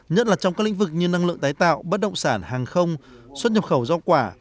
nhất là trong các lĩnh vực như năng lượng tái tạo bất động sản hàng không xuất nhập khẩu do quả